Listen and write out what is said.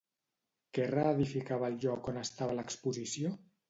Què reedificava el lloc on estava l'exposició?